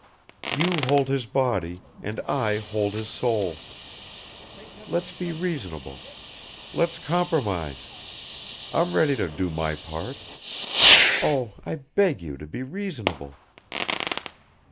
You hold his body, and I hold his soul. Let's be reasonable. Let's compromise. I'm ready to do my part. Oh, I beg you to be reasonable!"